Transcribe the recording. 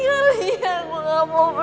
yaudah gue gak mau pergi